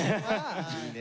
いいね